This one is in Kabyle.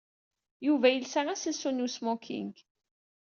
Yuba yelsa aselsu n wesmoking.